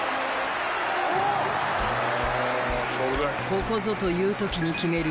ここぞという時に決める